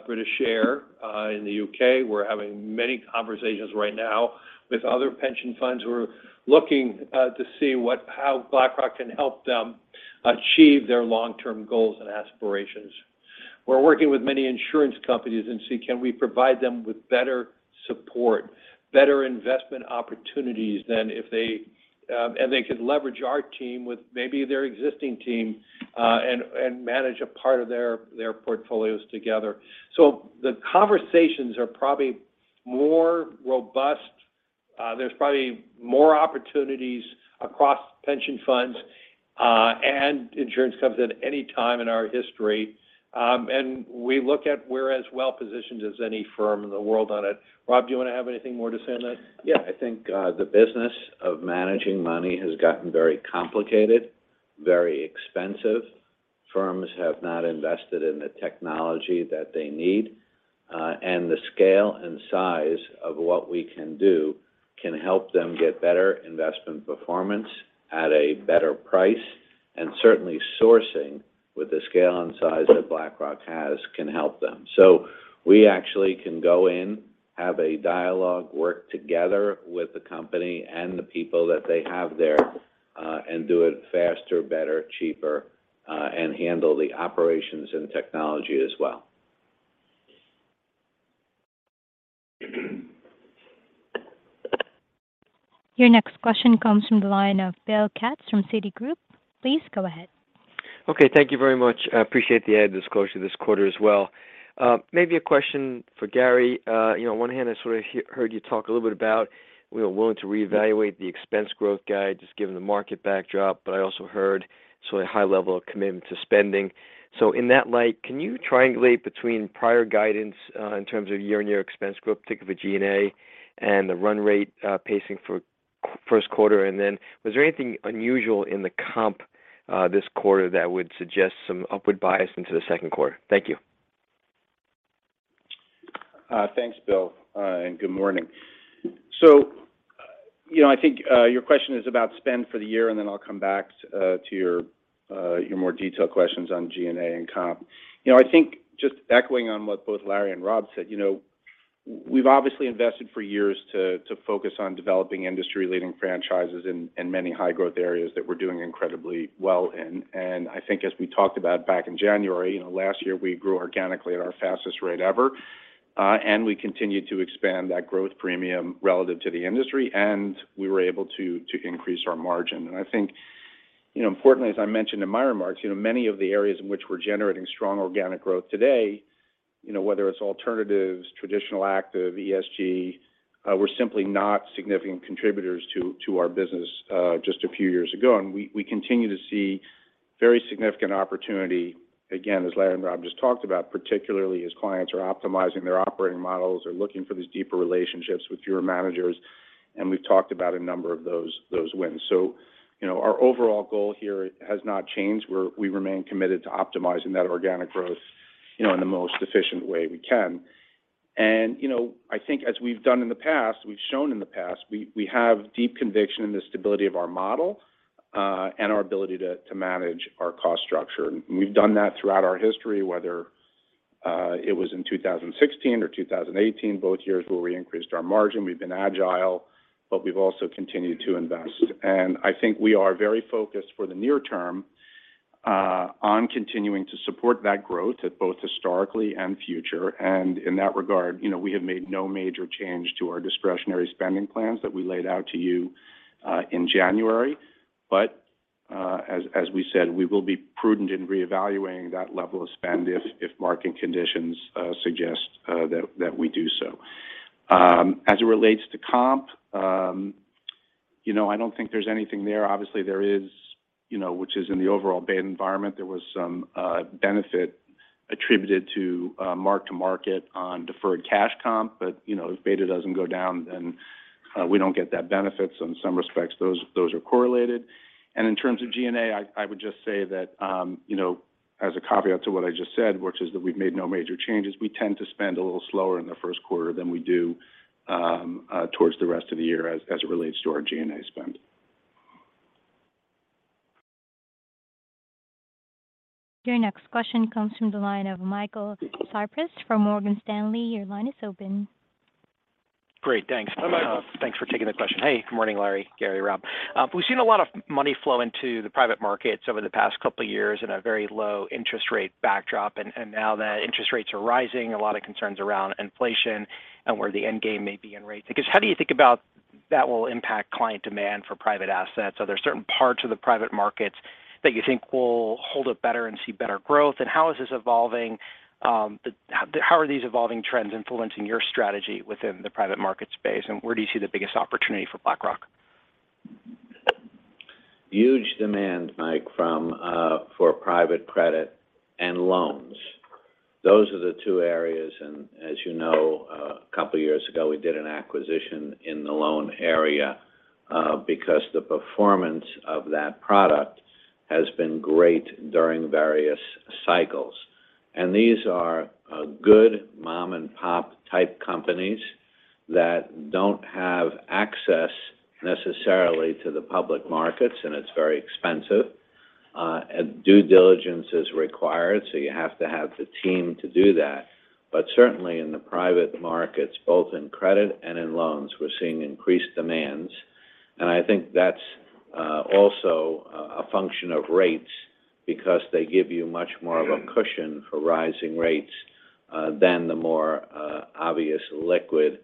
Speaker 4: British Steel in the U.K. We're having many conversations right now with other pension funds who are looking to see how BlackRock can help them achieve their long-term goals and aspirations. We're working with many insurance companies and see can we provide them with better support, better investment opportunities than if they. They could leverage our team with maybe their existing team, and manage a part of their portfolios together. The conversations are probably more robust. There's probably more opportunities across pension funds and insurance companies than any time in our history. We look at we're as well-positioned as any firm in the world on it. Rob, do you want to have anything more to say on that?
Speaker 6: Yeah. I think, the business of managing money has gotten very complicated, very expensive. Firms have not invested in the technology that they need, and the scale and size of what we can do can help them get better investment performance at a better price, and certainly sourcing with the scale and size that BlackRock has can help them. So we actually can go in, have a dialogue, work together with the company and the people that they have there, and do it faster, better, cheaper, and handle the operations and technology as well.
Speaker 1: Your next question comes from the line of Bill Katz from Citigroup. Please go ahead.
Speaker 8: Okay. Thank you very much. I appreciate the added disclosure this quarter as well. Maybe a question for Gary. You know, on one hand, I sort of heard you talk a little bit about, you know, willing to reevaluate the expense growth guide just given the market backdrop, but I also heard sort of high level of commitment to spending. In that light, can you triangulate between prior guidance in terms of year-on-year expense growth, particularly G&A, and the run rate pacing for Q1 first quarter? And then was there anything unusual in the comp this quarter that would suggest some upward bias into the second quarter? Thank you.
Speaker 3: Thanks, Bill. Good morning. You know, I think your question is about spend for the year, and then I'll come back to your more detailed questions on G&A and comp. You know, I think just echoing on what both Larry and Rob said, you know. We've obviously invested for years to focus on developing industry-leading franchises in many high growth areas that we're doing incredibly well in. I think as we talked about back in January, you know, last year we grew organically at our fastest rate ever, and we continued to expand that growth premium relative to the industry, and we were able to increase our margin. I think, you know, importantly, as I mentioned in my remarks, you know, many of the areas in which we're generating strong organic growth today, you know, whether it's alternatives, traditional active, ESG, were simply not significant contributors to our business just a few years ago. We continue to see very significant opportunity, again, as Larry and Rob just talked about, particularly as clients are optimizing their operating models or looking for these deeper relationships with your managers, and we've talked about a number of those wins. You know, our overall goal here has not changed. We're committed to optimizing that organic growth, you know, in the most efficient way we can. You know, I think as we've done in the past, we've shown in the past, we have deep conviction in the stability of our model and our ability to manage our cost structure.
Speaker 6: We've done that throughout our history, whether it was in 2016 or 2018, both years where we increased our margin. We've been agile, but we've also continued to invest. I think we are very focused for the near term on continuing to support that growth at both historically and future. In that regard, you know, we have made no major change to our discretionary spending plans that we laid out to you in January. As we said, we will be prudent in reevaluating that level of spend if market conditions suggest that we do so. As it relates to comp, you know, I don't think there's anything there. Obviously, there is, you know, which is in the overall beta environment, there was some benefit attributed to mark-to-market on deferred cash comp. You know, if beta doesn't go down, then we don't get that benefit. In some respects, those are correlated. In terms of G&A, I would just say that, you know, as a caveat to what I just said, which is that we've made no major changes, we tend to spend a little slower in the first quarter than we do, towards the rest of the year as it relates to our G&A spend.
Speaker 1: Your next question comes from the line of Michael Cyprys from Morgan Stanley. Your line is open.
Speaker 9: Great. Thanks.
Speaker 4: Hi, Michael.
Speaker 9: Thanks for taking the question. Hey, good morning, Larry, Gary, Rob. We've seen a lot of money flow into the private markets over the past couple of years in a very low interest rate backdrop. Now that interest rates are rising, a lot of concerns around inflation and where the end game may be in rates. I guess, how do you think about that will impact client demand for private assets? Are there certain parts of the private markets that you think will hold up better and see better growth? How are these evolving trends influencing your strategy within the private market space, and where do you see the biggest opportunity for BlackRock?
Speaker 6: Huge demand, Mike, for private credit and loans. Those are the two areas. As you know, a couple of years ago, we did an acquisition in the loan area because the performance of that product has been great during various cycles. These are good mom-and-pop type companies that don't have access necessarily to the public markets, and it's very expensive. Due diligence is required, so you have to have the team to do that. Certainly in the private markets, both in credit and in loans, we're seeing increased demands. I think that's also a function of rates because they give you much more of a cushion for rising rates than the more obvious liquid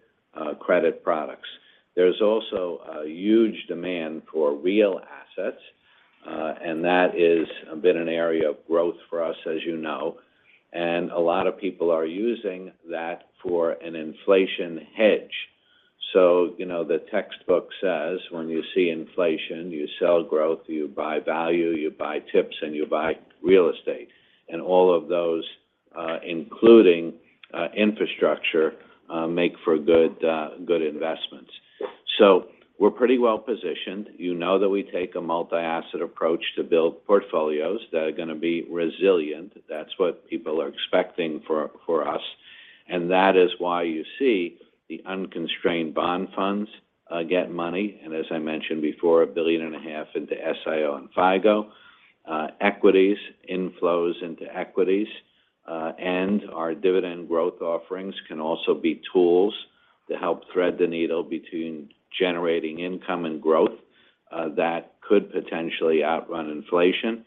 Speaker 6: credit products. There's a huge demand for real assets, and that's been an area of growth for us, as you know. A lot of people are using that for an inflation hedge. You know, the textbook says when you see inflation, you sell growth, you buy value, you buy tips, and you buy real estate. All of those, including infrastructure, make for good investments. We're pretty well-positioned. You know that we take a multi-asset approach to build portfolios that are gonna be resilient. That's what people are expecting for us. That is why you see the unconstrained bond funds get money. As I mentioned before, $1.5 billion into SIO and FIGO. Equities, inflows into equities, and our dividend growth offerings can also be tools to help thread the needle between generating income and growth, that could potentially outrun inflation.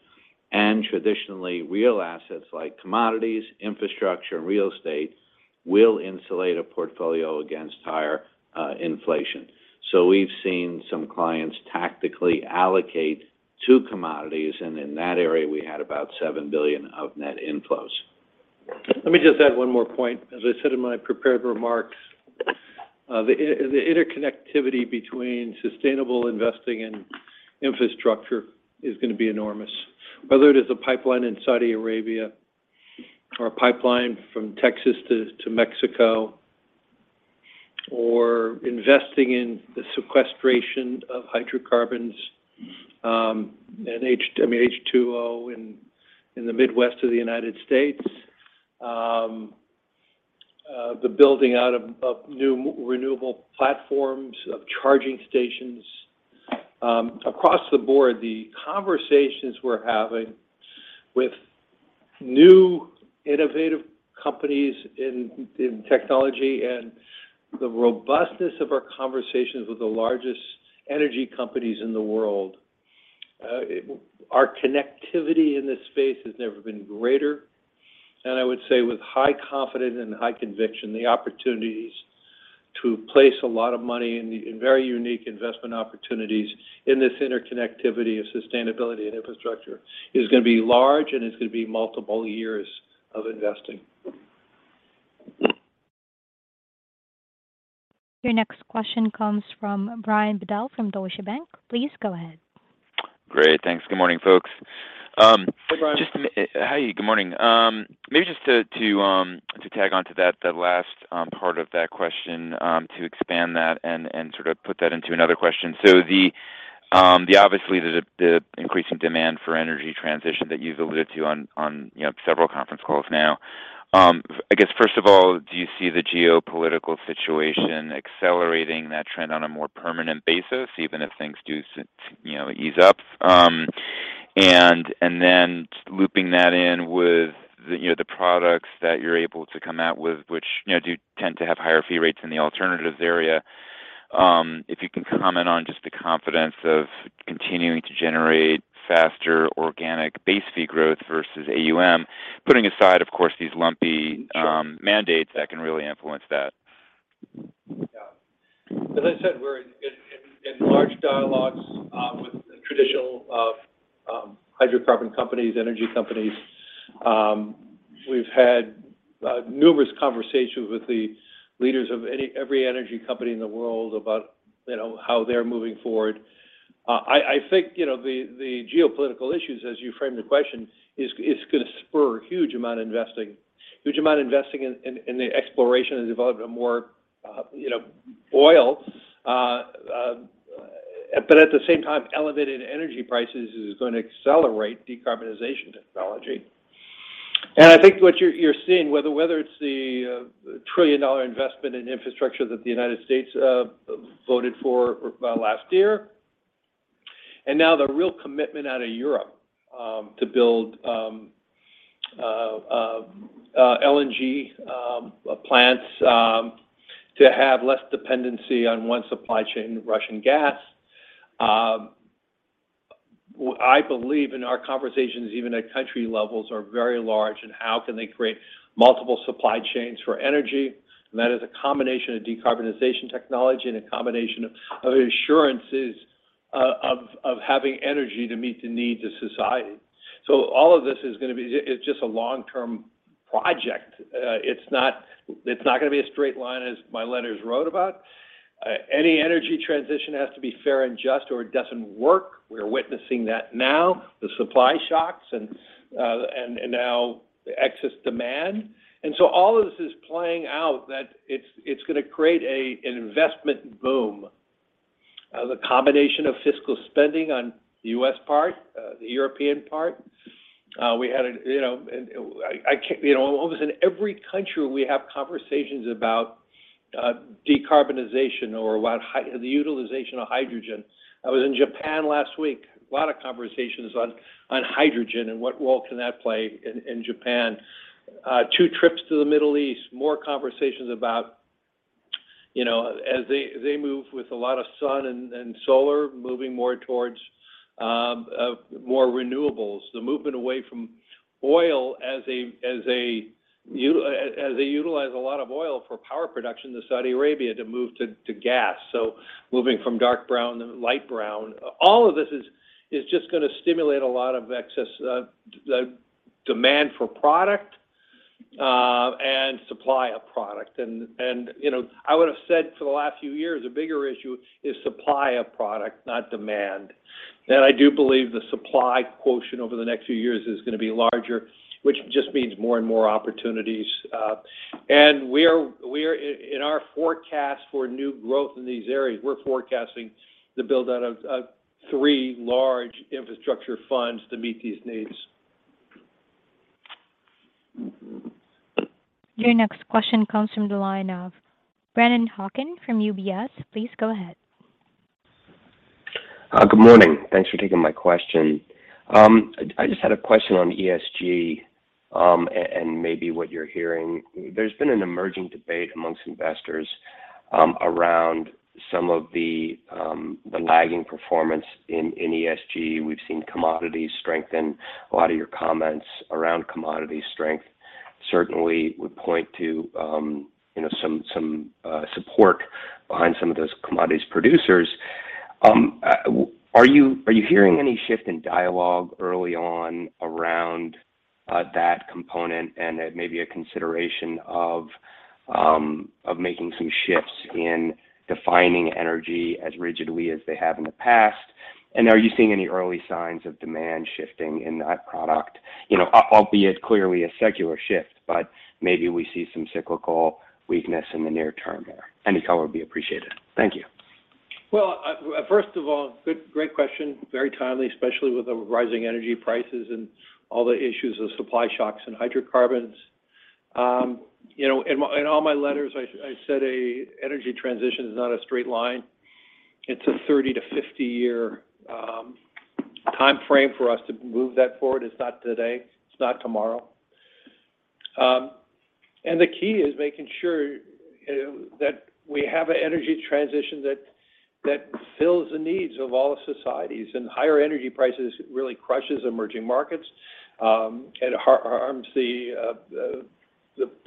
Speaker 6: Traditionally, real assets like commodities, infrastructure, and real estate will insulate a portfolio against higher inflation. We've seen some clients tactically allocate to commodities, and in that area, we had about $7 billion of net inflows.
Speaker 4: Let me just add one more point. As I said in my prepared remarks, the interconnectivity between sustainable investing and infrastructure is gonna be enormous. Whether it is a pipeline in Saudi Arabia or a pipeline from Texas to Mexico, or investing in the sequestration of hydrocarbons, and I mean H2O in the Midwest of the United States, the building out of new renewable platforms, of charging station Across the board, the conversations we're having with new innovative companies in technology and the robustness of our conversations with the largest energy companies in the world, our connectivity in this space has never been greater. I would say with high confidence and high conviction, the opportunities to place a lot of money in very unique investment opportunities in this interconnectivity of sustainability and infrastructure is gonna be large, and it's gonna be multiple years of investing.
Speaker 1: Your next question comes from Brian Bedell from Deutsche Bank. Please go ahead.
Speaker 10: Great. Thanks. Good morning, folks.
Speaker 4: Hey, Brian.
Speaker 10: Hi. Good morning. Maybe just to tag on to that, the last part of that question, to expand that and sort of put that into another question. Obviously, the increasing demand for energy transition that you've alluded to on, you know, several conference calls now, I guess, first of all, do you see the geopolitical situation accelerating that trend on a more permanent basis, even if things do, you know, ease up? And then looping that in with the, you know, the products that you're able to come out with, which, you know, do tend to have higher fee rates in the alternatives area, if you can comment on just the confidence of continuing to generate faster organic base fee growth versus AUM, putting aside, of course, these lumpy-
Speaker 4: Sure.
Speaker 10: mandates that can really influence that.
Speaker 4: Yeah. As I said, we're in large dialogues with the traditional hydrocarbon companies, energy companies. We've had numerous conversations with the leaders of every energy company in the world about, you know, how they're moving forward. I think, you know, the geopolitical issues, as you framed the question, is gonna spur a huge amount of investing in the exploration and development of more, you know, oil. But at the same time, elevated energy prices is gonna accelerate decarbonization technology. I think what you're seeing, whether it's the $1 trillion investment in infrastructure that the United States voted for last year, and now the real commitment out of Europe to build LNG plants to have less dependency on one supply chain, Russian gas. I believe in our conversations, even at country levels, are very large in how can they create multiple supply chains for energy. That is a combination of decarbonization technology and a combination of having energy to meet the needs of society. All of this is gonna be—it's just a long-term project. It's not gonna be a straight line, as my letters wrote about. Any energy transition has to be fair and just, or it doesn't work. We're witnessing that now, the supply shocks and now the excess demand. All of this is playing out that it's gonna create an investment boom as a combination of fiscal spending on the U.S. part, the European part. We have conversations about decarbonization or about the utilization of hydrogen almost in every country. I was in Japan last week, a lot of conversations on hydrogen and what role can that play in Japan. Two trips to the Middle East, more conversations about as they move with a lot of sun and solar, moving more towards more renewables. The movement away from oil as they utilize a lot of oil for power production to Saudi Arabia to move to gas. Moving from dark brown to light brown. All of this is just gonna stimulate a lot of excess demand for product and supply of product. You know, I would have said for the last few years, a bigger issue is supply of product, not demand. I do believe the supply quotient over the next few years is gonna be larger, which just means more and more opportunities. In our forecast for new growth in these areas, we're forecasting the build-out of three large infrastructure funds to meet these needs.
Speaker 1: Your next question comes from the line of Brennan Hawken from UBS. Please go ahead.
Speaker 11: Good morning. Thanks for taking my question. I just had a question on ESG, and maybe what you're hearing. There's been an emerging debate amongst investors around some of the lagging performance in ESG. We've seen commodities strengthen. A lot of your comments around commodity strength certainly would point to you know some support behind some of those commodities producers. Are you hearing any shift in dialogue early on around that component and maybe a consideration of making some shifts in defining energy as rigidly as they have in the past? Are you seeing any early signs of demand shifting in that product? You know, albeit clearly a secular shift, but maybe we see some cyclical weakness in the near term there. Any color would be appreciated. Thank you.
Speaker 4: Well, first of all, great question. Very timely, especially with the rising energy prices and all the issues of supply shocks in hydrocarbons. You know, in all my letters, I said an energy transition is not a straight line. It's a 30- to 50-year timeframe for us to move that forward. It's not today, it's not tomorrow. The key is making sure that we have an energy transition that fills the needs of all societies. Higher energy prices really crushes emerging markets, and harms the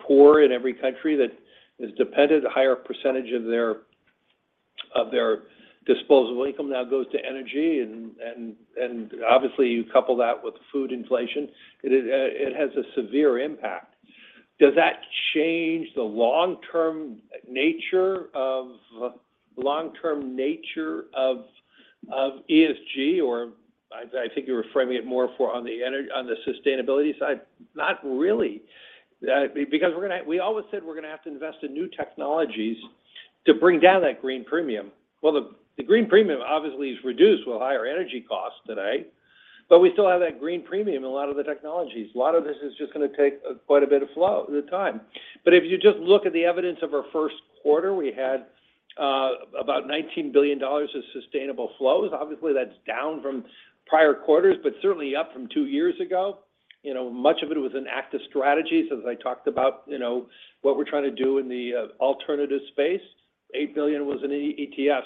Speaker 4: poor in every country that is dependent. A higher percentage of their disposable income now goes to energy, and obviously you couple that with food inflation. It has a severe impact. Does that change the long-term nature of ESG or I think you were framing it more for on the sustainability side. Not really, because we always said we're gonna have to invest in new technologies to bring down that green premium. Well, the green premium obviously is reduced with higher energy costs today, but we still have that green premium in a lot of the technologies. A lot of this is just gonna take quite a bit of time. If you just look at the evidence of our first quarter, we had about $19 billion of sustainable flows. Obviously, that's down from prior quarters, but certainly up from two years ago. You know, much of it was in active strategies as I talked about, you know, what we're trying to do in the alternative space. $8 billion was in ETFs.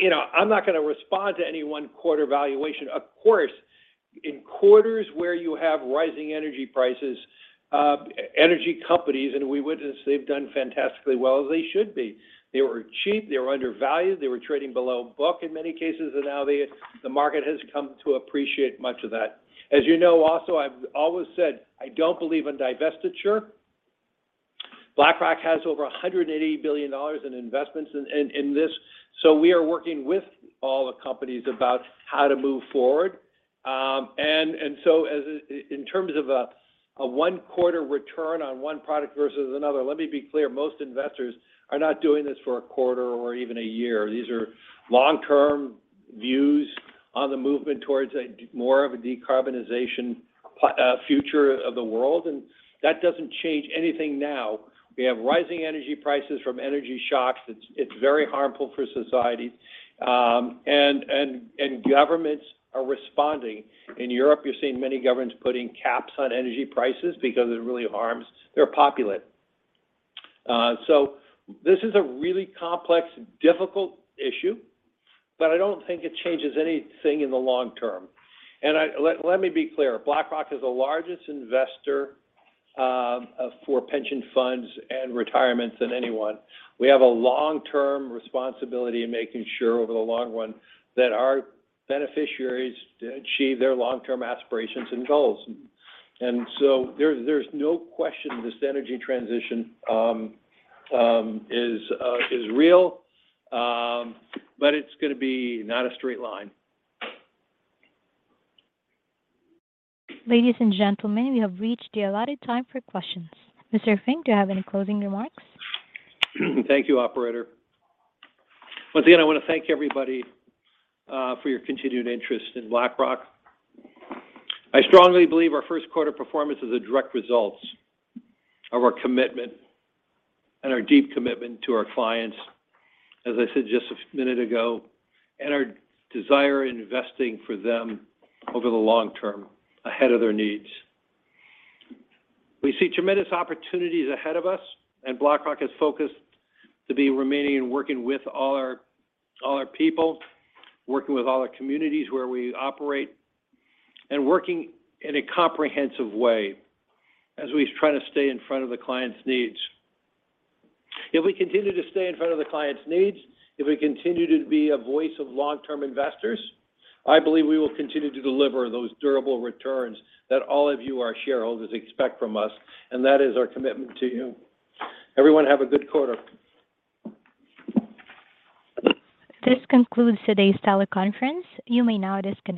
Speaker 4: You know, I'm not gonna respond to any one quarter valuation. Of course, in quarters where you have rising energy prices, energy companies, and we witness they've done fantastically well as they should be. They were cheap, they were undervalued, they were trading below book in many cases, and now the market has come to appreciate much of that. As you know also, I've always said I don't believe in divestiture. BlackRock has over $180 billion in investments in this, so we are working with all the companies about how to move forward. In terms of a one quarter return on one product versus another, let me be clear, most investors are not doing this for a quarter or even a year. These are long-term views on the movement towards more of a decarbonization future of the world, and that doesn't change anything now. We have rising energy prices from energy shocks. It's very harmful for society. Governments are responding. In Europe, you're seeing many governments putting caps on energy prices because it really harms their population. This is a really complex, difficult issue, but I don't think it changes anything in the long term. Let me be clear, BlackRock is the largest investor for pension funds and retirement than anyone. We have a long-term responsibility in making sure over the long run that our beneficiaries achieve their long-term aspirations and goals. There's no question this energy transition is real, but it's gonna be not a straight line.
Speaker 1: Ladies and gentlemen, we have reached the allotted time for questions. Mr. Fink, do you have any closing remarks?
Speaker 4: Thank you, operator. Once again, I wanna thank everybody for your continued interest in BlackRock. I strongly believe our first quarter performance is the direct results of our commitment and our deep commitment to our clients, as I said just a minute ago, and our desire investing for them over the long term ahead of their needs. We see tremendous opportunities ahead of us, and BlackRock is focused to be remaining and working with all our people, working with all our communities where we operate, and working in a comprehensive way as we try to stay in front of the clients' needs. If we continue to stay in front of the clients' needs, if we continue to be a voice of long-term investors, I believe we will continue to deliver those durable returns that all of you, our shareholders, expect from us, and that is our commitment to you. Everyone have a good quarter.
Speaker 1: This concludes today's teleconference. You may now disconnect.